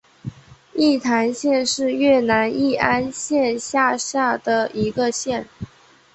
义坛县是越南乂安省下辖的一个县。